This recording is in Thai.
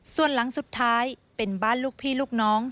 ส่วนหลังสุดท้ายเป็นบ้านลูกพี่ลูกน้อง